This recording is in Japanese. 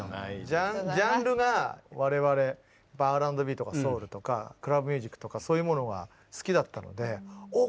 ジャンルが我々Ｒ＆Ｂとかソウルとかクラブミュージックとかそういうものが好きだったのでおお